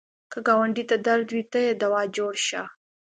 که ګاونډي ته درد وي، ته یې دوا جوړ شه